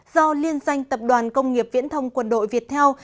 do liên danh tập đoàn công nghiệp viễn thông quân đội việt theo